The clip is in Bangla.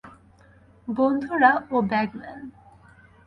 বন্ধুরা, ও ব্যাগম্যান।